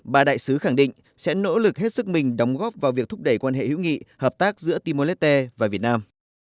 bà đại sứ khẳng định sẽ nỗ lực hết sức mình đóng góp vào việc thúc đẩy quan hệ hữu nghị hợp tác giữa timor leste và việt nam